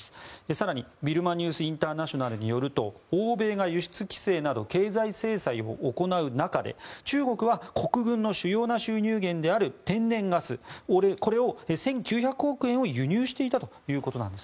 更に、ビルマ・ニュース・インターナショナルによると欧米が輸出規制など経済制裁を行う中で中国は国軍の主要な収入源である天然ガスを１９００億円分を輸入していたということなんです。